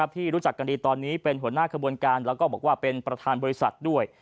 ที่รู้จักกันดีตอนนี้เป็นหัวหน้าขบวนการแล้วก็บอกว่าเป็นประธานบริษัทด้วย